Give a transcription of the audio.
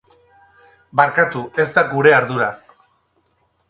Barkatu, ez da gure ardura.